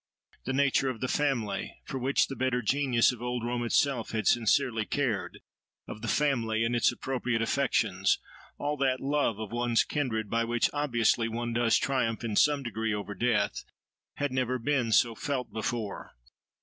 The nature of the family, for which the better genius of old Rome itself had sincerely cared, of the family and its appropriate affections—all that love of one's kindred by which obviously one does triumph in some degree over death—had never been so felt before.